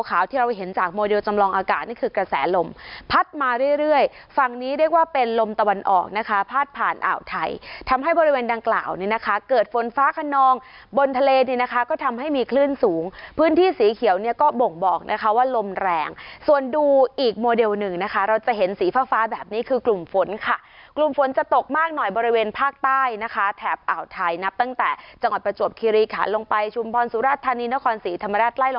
ขาวที่เราเห็นจากโมเดลจำลองอากาศนี่คือกระแสลมพัดมาเรื่อยฝั่งนี้เรียกว่าเป็นลมตะวันออกนะคะพาดผ่านอ่าวไทยทำให้บริเวณดังกล่าวนี่นะคะเกิดฝนฟ้าขนองบนทะเลนี่นะคะก็ทำให้มีคลื่นสูงพื้นที่สีเขียวเนี่ยก็บ่งบอกนะคะว่าลมแรงส่วนดูอีกโมเดลหนึ่งนะคะเราจะเห็นสีฟ้าแบบนี้คือกลุ่มฝนค่ะกลุ่ม